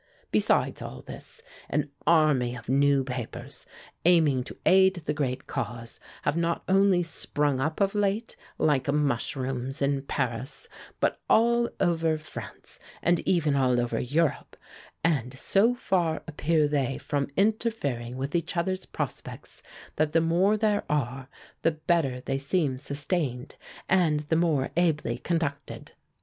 Besides all this, an army of new papers, aiming to aid the great cause, have not only sprung up of late, like mushrooms, in Paris, but all over France, and even all over Europe; and so far appear they from interfering with each other's prospects that the more there are the better they seem sustained and the more ably conducted.